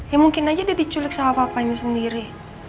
ya mungkin aja dia diculik sama papanya sendiri